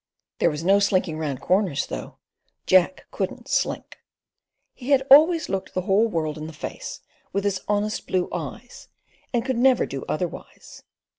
There was no slinking round corners though; Jack couldn't slink. He had always looked the whole world in the face with his honest blue eyes, and could never do otherwise.